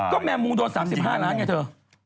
ก็แมวมูโดน๓๕ล้านไงเธอ